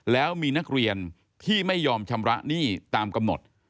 แล้วมีนักเรียนที่ไม่ยอมชำระหนี้ตามกำหนด